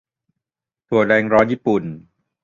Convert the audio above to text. - ถั่วแดงร้อนญี่ปุ่น